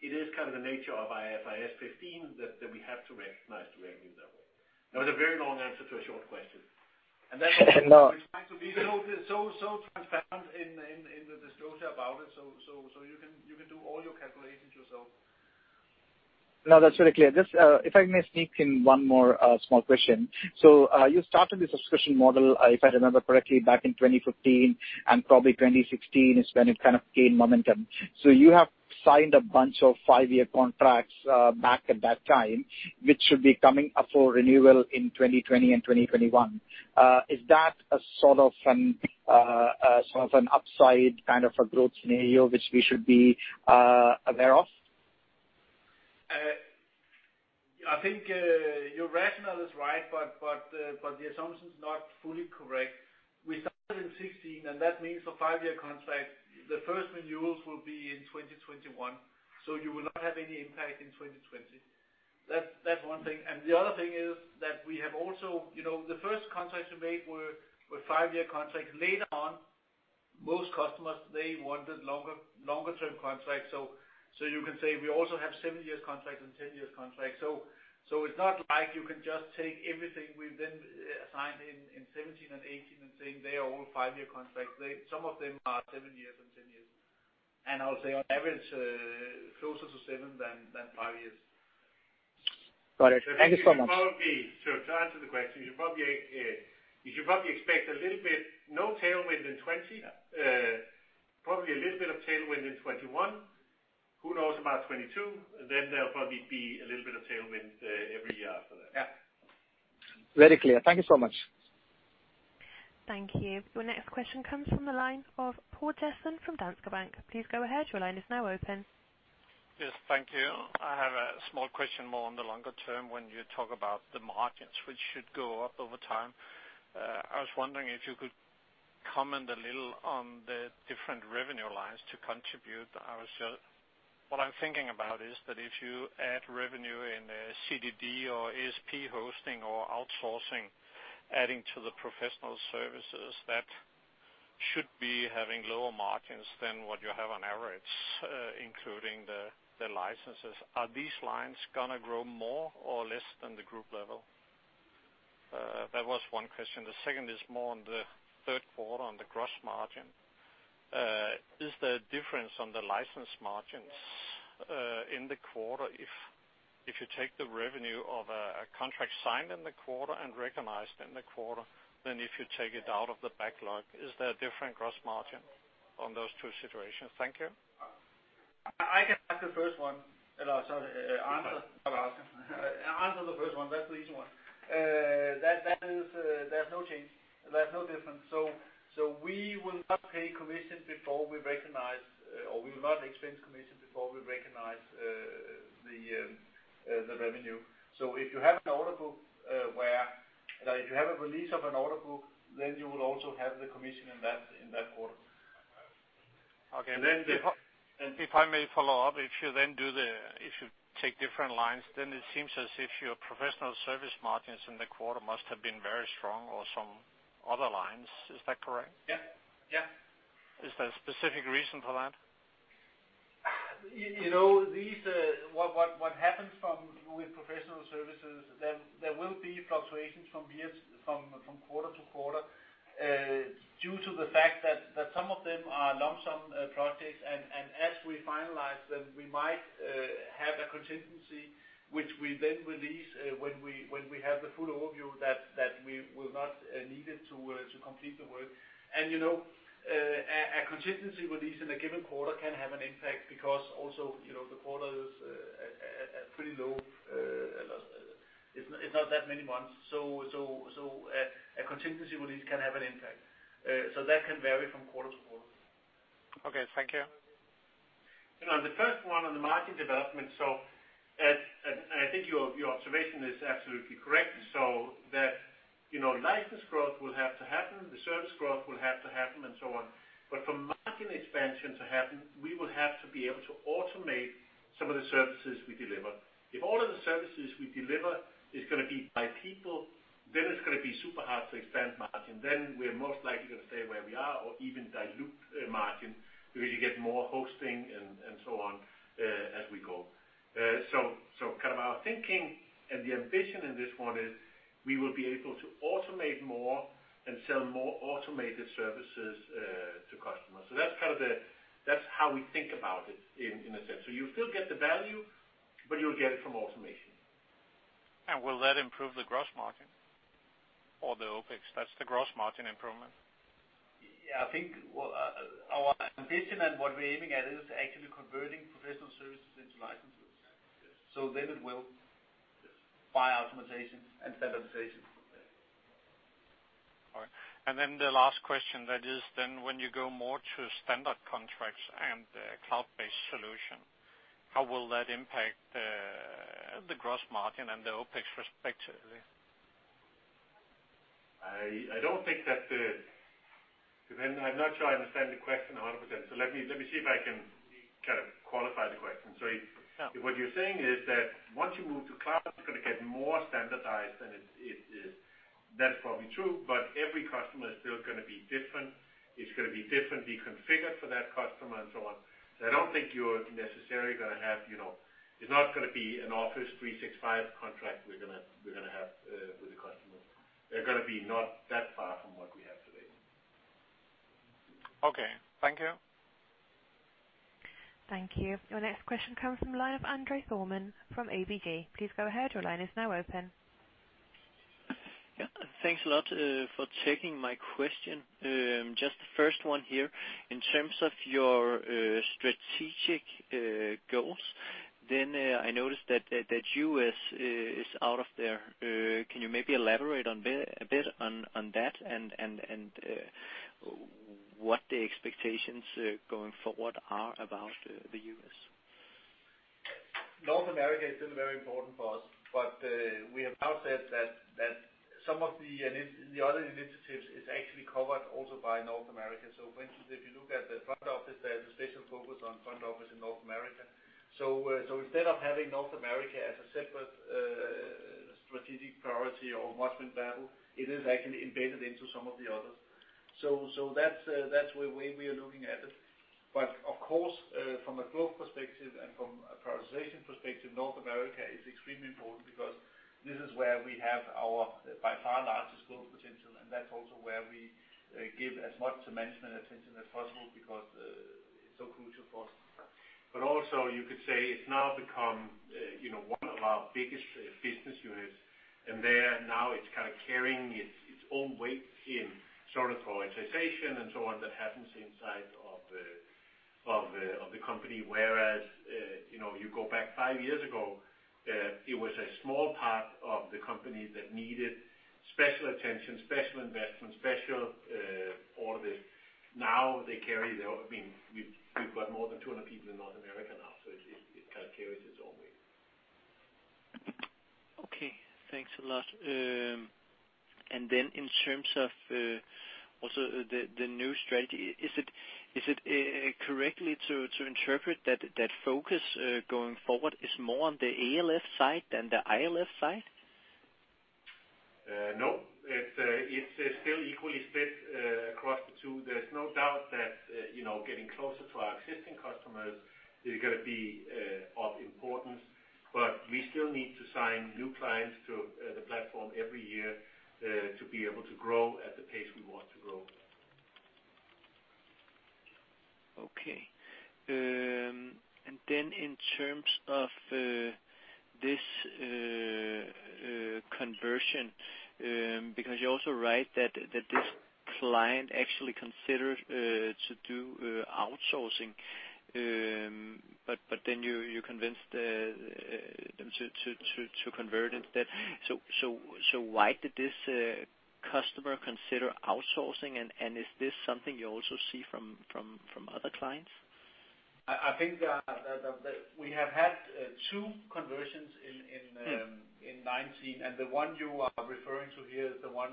It is the nature of IFRS 15 that we have to recognize revenue that way. That was a very long answer to a short question. No. We try to be so transparent in the disclosure about it, so you can do all your calculations yourself. No, that's really clear. Just, if I may sneak in one more small question. You started the subscription model, if I remember correctly, back in 2015, and probably 2016 is when it gained momentum. You have signed a bunch of five-year contracts back at that time, which should be coming up for renewal in 2020 and 2021. Is that an upside growth scenario which we should be aware of? I think your rationale is right, but the assumption's not fully correct. We started in 2016. That means for a five-year contract, the first renewals will be in 2021. You will not have any impact in 2020. That's one thing. The other thing is that the first contracts we made were five-year contracts. Later on, most customers, they wanted longer-term contracts. You can say we also have seven-year contracts and 10-year contracts. It's not like you can just take everything we've then signed in 2017 and 2018 and saying they are all five-year contracts. Some of them are seven years and 10 years. I'll say on average, closer to seven than five years. Got it. Thank you so much. To answer the question, you should probably expect no tailwind in 2020. Probably a little bit of tailwind in 2021. Who knows about 2022? There'll probably be a little bit of tailwind every year after that. Yeah. Very clear. Thank you so much. Thank you. Your next question comes from the line of Poul Jessen from Danske Bank. Please go ahead. Your line is now open. Yes. Thank you. I have a small question more on the longer term when you talk about the margins which should go up over time. I was wondering if you could comment a little on the different revenue lines to contribute. What I'm thinking about is that if you add revenue in a CDD or ASP hosting or outsourcing, adding to the professional services, that should be having lower margins than what you have on average, including the licenses. Are these lines going to grow more or less than the group level? That was one question. The second is more on the third quarter on the gross margin. Is there a difference on the license margins in the quarter if you take the revenue of a contract signed in the quarter and recognized in the quarter than if you take it out of the backlog? Is there a different gross margin on those two situations? Thank you. I can take the first one. Sorry. Answer the first one. That's the easy one. There's no change. There's no difference. We will not pay commission before we recognize, or we will not expense commission before we recognize the revenue. If you have an order book where, if you have a release of an order book, then you will also have the commission in that quarter. Okay. And then the- If I may follow up, if you take different lines, then it seems as if your professional service margins in the quarter must have been very strong or some other lines. Is that correct? Yeah. Is there a specific reason for that? What happens with professional services, there will be fluctuations from quarter to quarter, due to the fact that some of them are lump sum projects, and as we finalize them, we might have a contingency which we then release when we have the full overview that we will not need it to complete the work. A contingency release in a given quarter can have an impact because also, the quarter is pretty low. It's not that many months. A contingency release can have an impact. That can vary from quarter to quarter. Okay. Thank you. On the first one on the margin development, I think your observation is absolutely correct, that license growth will have to happen, the service growth will have to happen, and so on. For margin expansion to happen, we will have to be able to automate some of the services we deliver. If all of the services we deliver is going to be by people, then it is going to be super hard to expand margin. We are most likely going to stay where we are or even dilute margin because you get more hosting and so on as we go. Our thinking and the ambition in this one is we will be able to automate more and sell more automated services to customers. That is how we think about it in a sense. You will still get the value, but you will get it from automation. Will that improve the gross margin or the OpEx? That's the gross margin improvement. Yeah, I think our ambition and what we're aiming at is actually converting professional services into licenses. It will by automation and standardization. All right. Then the last question, that is then when you go more to standard contracts and a cloud-based solution, how will that impact the gross margin and the OpEx respectively? I'm not sure I understand the question 100%, so let me see if I can qualify the question. What you're saying is that once you move to cloud, it's going to get more standardized than it is. That's probably true, but every customer is still going to be different. It's going to be differently configured for that customer and so on. I don't think you're necessarily going to have. It's not going to be an Office 365 contract we're going to have with the customers. They're going to be not that far from what we have today. Okay. Thank you. Thank you. Your next question comes from André Thormann from ABG. Please go ahead. Your line is now open. Yeah. Thanks a lot for taking my question. Just the first one here. In terms of your strategic goals, then I noticed that the U.S. is out of there. Can you maybe elaborate a bit on that and what the expectations going forward are about the U.S.? North America is still very important for us, but we have now said that some of the other initiatives is actually covered also by North America. For instance, if you look at the front office there, the special focus on front office in North America. Instead of having North America as a separate strategic priority or Must-Win Battle, it is actually embedded into some of the others. That's the way we are looking at it. Of course, from a growth perspective and from a prioritization perspective, North America is extremely important because this is where we have our, by far, largest growth potential, and that's also where we give as much management attention as possible because it's so crucial for us. Also you could say it's now become one of our biggest business units. There now it's kind of carrying its own weight in sort of prioritization and so on that happens inside of the company. You go back five years ago, it was a small part of the company that needed special attention, special investment, special all of this. Now they carry their own. We've got more than 200 people in North America now. It kind of carries its own weight. Okay. Thanks a lot. In terms of also the new strategy, is it correct to interpret that focus going forward is more on the ALF side than the ILF side? No. It's still equally split across the two. There's no doubt that getting closer to our existing customers is going to be of importance, but we still need to sign new clients to the platform every year, to be able to grow at the pace we want to grow. Okay. In terms of this conversion, because you also write that this client actually considered to do outsourcing. You convinced them to convert into that. Why did this customer consider outsourcing, and is this something you also see from other clients? I think that we have had two conversions in 2019. The one you are referring to here is the one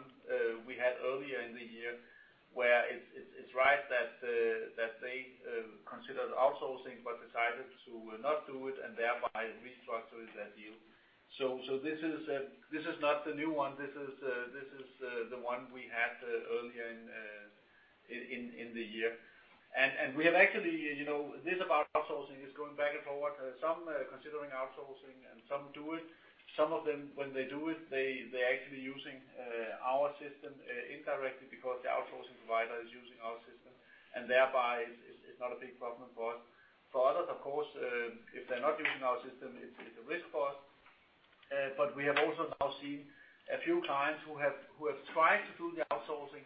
we had earlier in the year, where it's right that they considered outsourcing but decided to not do it and thereby restructured that deal. This is not the new one. This is the one we had earlier in the year. We have actually, this about outsourcing is going back and forward. Some are considering outsourcing and some do it. Some of them, when they do it, they're actually using our system indirectly because the outsourcing provider is using our system, and thereby it's not a big problem for us. For others, of course, if they're not using our system, it's a risk for us. We have also now seen a few clients who have tried to do the outsourcing,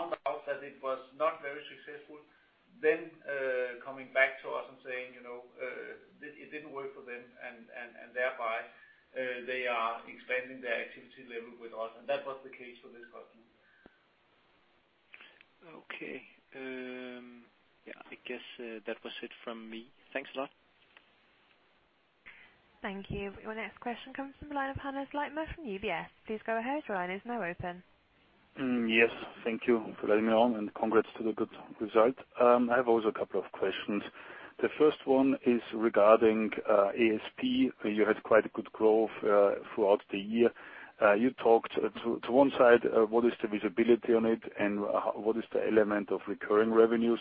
found out that it was not very successful, then coming back to us and saying it didn't work for them and thereby they are expanding their activity level with us. That was the case for this customer. Okay. Yeah, I guess that was it from me. Thanks a lot. Thank you. Your next question comes from the line of Hannes Leitner from UBS. Please go ahead. Your line is now open. Yes. Thank you for letting me on, and congrats to the good result. I have also a couple of questions. The first one is regarding ASP, where you had quite a good growth throughout the year. You talked to one side, what is the visibility on it, and what is the element of recurring revenues?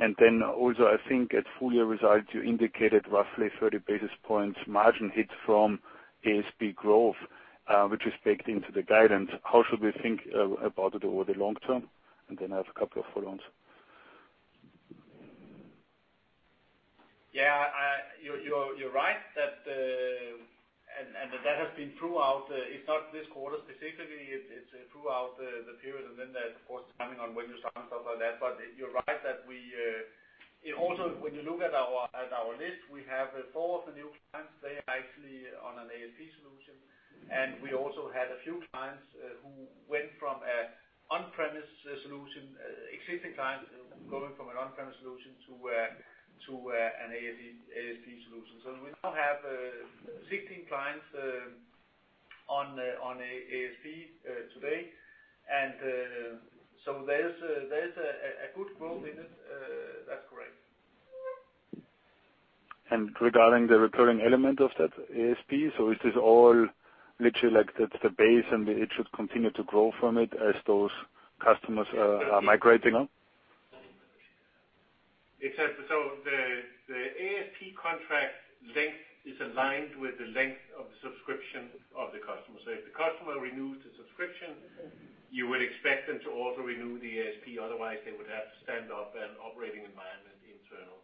Also I think at full-year results, you indicated roughly 30 basis points margin hit from ASP growth, which is baked into the guidance. How should we think about it over the long term? I have a couple of follow-ons. Yeah. You're right that. That has been throughout, it's not this quarter specifically, it's throughout the period, and then there's of course timing on when you sign stuff like that. You're right that. Also when you look at our list, we have four of the new clients, they are actually on an ASP solution. We also had a few clients who went from an on-premise solution, existing clients going from an on-premise solution to an ASP solution. We now have 16 clients on ASP today. There's a good growth in it. That's correct. Regarding the recurring element of that ASP, is this all literally like that's the base and it should continue to grow from it as those customers are migrating on? Except, the ASP contract length is aligned with the length of the subscription of the customer. If the customer renews the subscription, you would expect them to also renew the ASP, otherwise they would have to stand up an operating environment internal.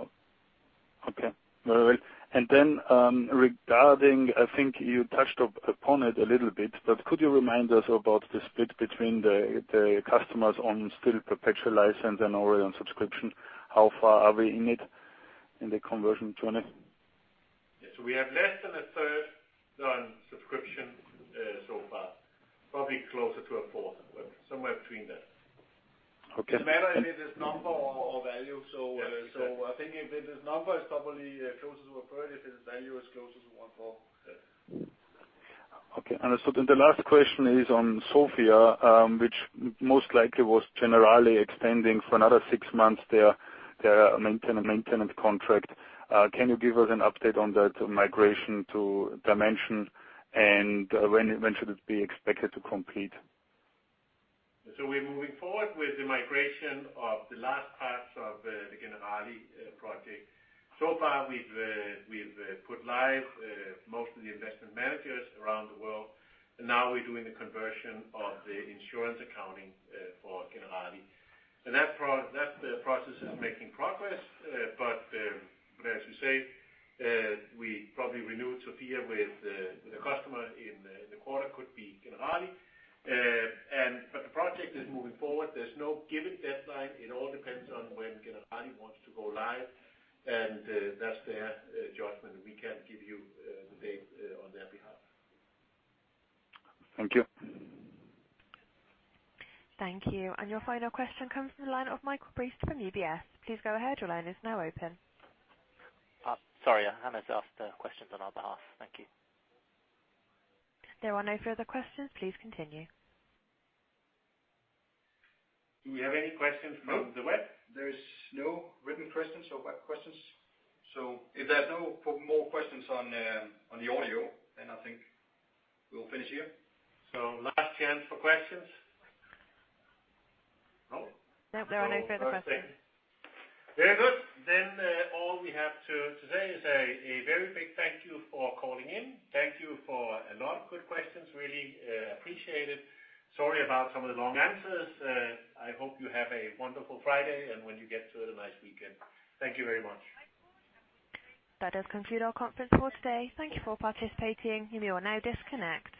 Oh, okay. Very well. Regarding, I think you touched upon it a little bit, but could you remind us about the split between the customers on still perpetual license and already on subscription? How far are we in it, in the conversion journey? We have less than a third on subscription so far, probably closer to a fourth, but somewhere between that. Okay. It matters if it is number or value. I think if it is number, it's probably closest to 1/3. If it's value, it's closest to 1/4. Okay. The last question is on Sofia, which most likely was Generali extending for another six months their maintenance contract. Can you give us an update on that migration to Dimension, when should it be expected to complete? We're moving forward with the migration of the last parts of the Generali project. So far, we've put live most of the investment managers around the world, and now we're doing the conversion of the insurance accounting for Generali. That process is making progress, but as you say, we probably renewed Sofia with the customer in the quarter, could be Generali. The project is moving forward. There's no given deadline. It all depends on when Generali wants to go live, and that's their judgment. We can't give you the date on their behalf. Thank you. Thank you. Your final question comes from the line of Michael Briest from UBS. Please go ahead. Your line is now open. Sorry, Hannes's asked the questions on our behalf. Thank you. There are no further questions. Please continue. Do we have any questions from the web? No. There's no written questions or web questions. If there are no more questions on the audio, then I think we'll finish here. Last chance for questions. No? No, there are no further questions. Very good. All we have to say is a very big thank you for calling in. Thank you for a lot of good questions. Really appreciate it. Sorry about some of the long answers. I hope you have a wonderful Friday, and when you get to it, a nice weekend. Thank you very much. That does conclude our conference call today. Thank you for participating. You may now disconnect.